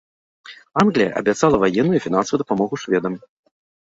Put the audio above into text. Англія абяцала ваенную і фінансавую дапамогу шведам.